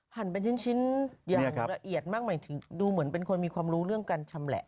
หั่นเป็นชิ้นอย่างละเอียดมากหมายถึงดูเหมือนเป็นคนมีความรู้เรื่องการชำแหละ